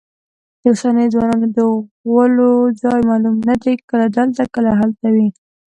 د اوسنیو ځوانانو د غولو ځای معلوم نه دی، کله دلته کله هلته وي.